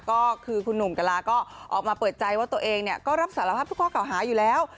ก็คือคุณหนุ่มกะลาก็ออกมาเปิดใจว่าตัวเองก็รับสารภาพทุกข้อเก่าหาอยู่แล้ว